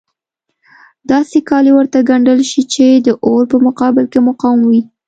داسې کالي ورته ګنډل شي چې د اور په مقابل کې مقاوم وي.